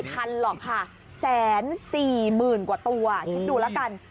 ไม่ทันหรอกค่ะแสนสี่หมื่นกว่าตัวดูละกัน